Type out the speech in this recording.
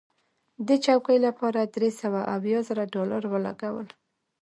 دې چوکۍ لپاره درې سوه اویا زره ډالره ولګول.